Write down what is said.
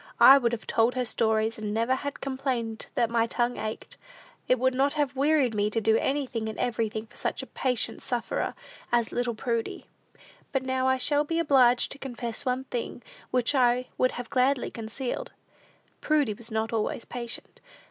I would have told her stories, and never have complained that my 'tongue ached.' It would not have wearied me to do anything and everything for such a patient sufferer as little Prudy!" But now I shall be obliged to confess one thing, which I would have gladly concealed. Prudy was not always patient.